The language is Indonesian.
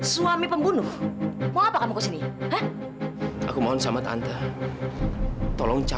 sampai jumpa di video selanjutnya